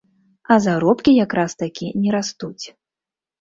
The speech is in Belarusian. А заробкі якраз-такі не растуць.